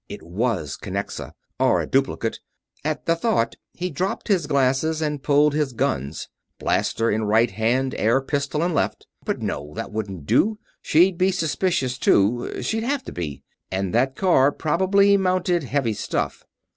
It was Kinnexa or a duplicate. At the thought he dropped his glasses and pulled his guns blaster in right hand, air pistol in left. But no, that wouldn't do. She'd be suspicious, too she'd have to be and that car probably mounted heavy stuff.